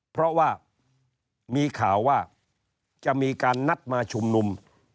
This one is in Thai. เพราะว่ามีข่าวว่าจะมีการนัดมาชุมนุม